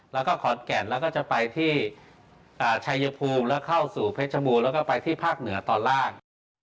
แล้วก็ขอนแก่นแล้วก็จะไปที่ชัยภูมิแล้วเข้าสู่เพชรบูรแล้วก็ไปที่ภาคเหนือตอนล่าง